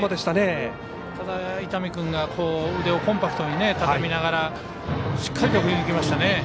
ただ、伊丹君が腕をコンパクトに畳みながらしっかりと振り抜きましたね。